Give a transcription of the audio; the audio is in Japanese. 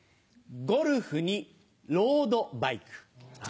ゴルフにロードバイク。